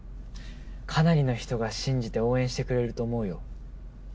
かなりの人が信じて応援してくれると思うよ。